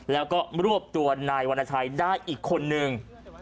แล้วก็รวบตัวนายวรรณชัยได้อีกคนนึง